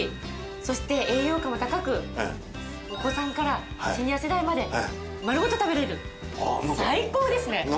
そして栄養価も高くお子さんからシニア世代まで丸ごと食べられる。